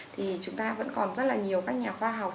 thì chúng ta vẫn còn rất là nhiều các nhà khoa học